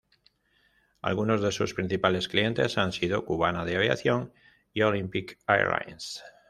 Algunos de sus principales clientes han sido Cubana de Aviación y Olympic Airlines.